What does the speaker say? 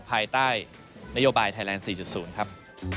ภายใต้นโยบายไทยแลนด๔๐ครับ